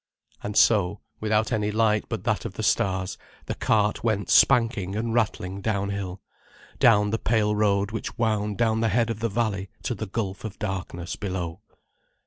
And so, without any light but that of the stars, the cart went spanking and rattling downhill, down the pale road which wound down the head of the valley to the gulf of darkness below.